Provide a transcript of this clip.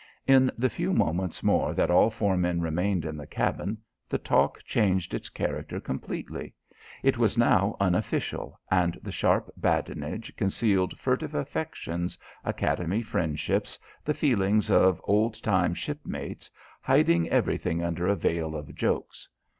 In the few moments more that all four men remained in the cabin, the talk changed its character completely. It was now unofficial, and the sharp badinage concealed furtive affections, Academy friendships, the feelings of old time ship mates, hiding everything under a veil of jokes.